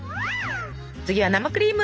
次は生クリーム！